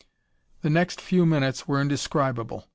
The next few moments were indescribable.